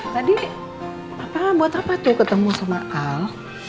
tadi apa buat apa tuh ketemu sama al